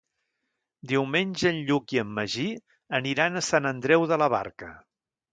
Diumenge en Lluc i en Magí aniran a Sant Andreu de la Barca.